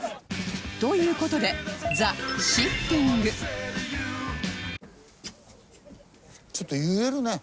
という事でちょっと揺れるね。